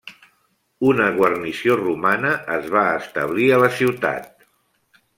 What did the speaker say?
Una guarnició romana es va establir a la ciutat.